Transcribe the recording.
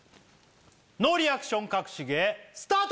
ノーリアクションかくし芸スタート！